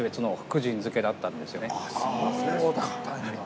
そうだったんや。